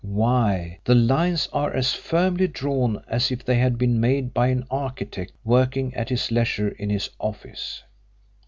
Why, the lines are as firmly drawn as if they had been made by an architect working at his leisure in his office.